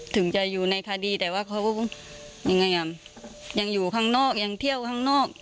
ถึงจะอยู่ในคดีแต่ว่าเขายังไงอ่ะยังอยู่ข้างนอกยังเที่ยวข้างนอก